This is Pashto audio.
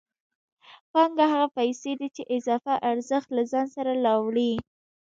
پانګه هغه پیسې دي چې اضافي ارزښت له ځان سره راوړي